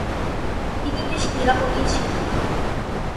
তিনি বেশ নিরাপদেই ছিলেন।